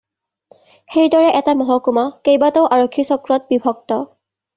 সেইদৰে এটা মহকুমা কেইবাটাও আৰক্ষী চক্ৰত বিভক্ত